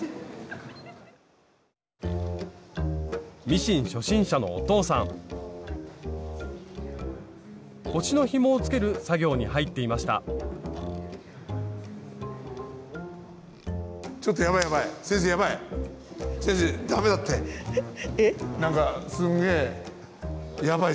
ミシン初心者のお父さん腰のひもをつける作業に入っていましたえっ？